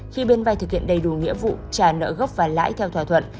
khi biên vay thực hiện đầy đủ nghĩa vụ trà nỡ gốc và lãi theo thỏa thuận